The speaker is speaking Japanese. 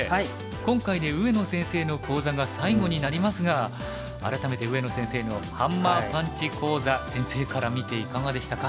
今回で上野先生の講座が最後になりますが改めて上野先生のハンマーパンチ講座先生から見ていかがでしたか？